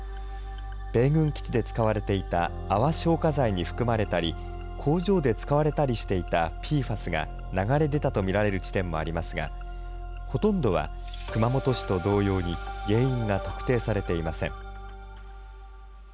米軍基地で使われていた泡消火剤に含まれたり、工場で使われたりしていたＰＦＡＳが流れ出たと見られる地点もありますが、ほとんどは熊本市と同様に原因が特定されていません。